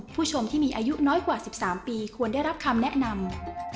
ผู้ชมที่มีอายุน้อยกว่า๑๓ปีควรได้รับคำแนะนำ